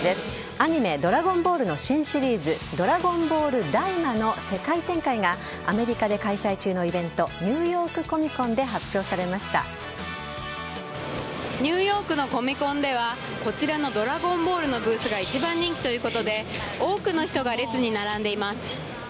アニメ「ドラゴンボール」の新シリーズ「ドラゴンボールＤＡＩＭＡ」の世界展開がアメリカで開催中のイベントニューヨークコミコンでニューヨークのコミコンではこちらの「ドラゴンボール」のブースが一番人気ということで多くの人が列に並んでいます。